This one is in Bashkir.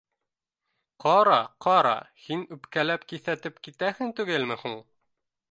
— Ҡара, ҡара, һин үпкәләп, киҫәтеп китәһең түгелме һуң?